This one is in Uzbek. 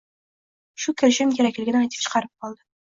Shu kirishim kerakligini aytib chaqirib qoldi.